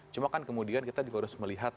cuma kan kemudian kita juga harus melihat